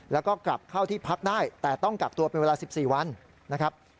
แล้วก็กลับเข้าที่พักได้แต่ต้องกักตัวเป็นเวลา๑๔วันนะครับ